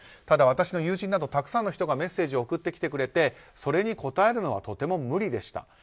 ただ、私の友人などたくさんの人がメッセージを送ってきてくれてそれに応えるのはとても無理でした。